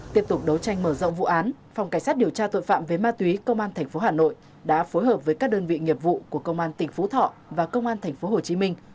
tiếp tục đấu tranh mở rộng vụ án phòng cảnh sát điều tra tội phạm về ma túy công an tp hà nội đã phối hợp với các đơn vị nghiệp vụ của công an tỉnh phú thọ và công an tp hcm